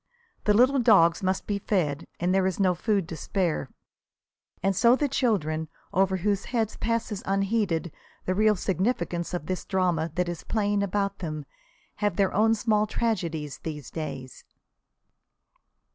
The little dogs must be fed, and there is no food to spare. And so the children, over whose heads passes unheeded the real significance of this drama that is playing about them, have their own small tragedies these days.